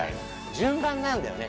順番なんだよね